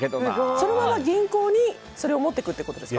そのまま銀行にそれを持っていくってことですか。